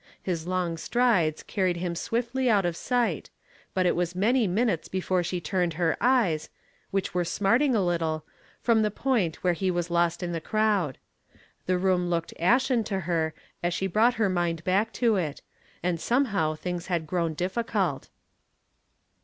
His long strides carried him swiftly out of sight, but it was many minutes before she turned her eyes, which were smarting a little, from the point where he was lost in the crowd. The room looked ashen to her as she brought her mind back to it, and somehow things had grown difficult.